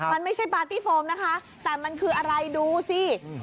มันไม่ใช่ปาร์ตี้โฟมนะคะแต่มันคืออะไรดูสิ